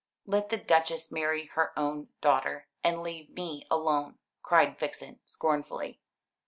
"Let the Duchess marry her own daughter, and leave me alone," cried Vixen scornfully.